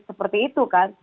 seperti itu kan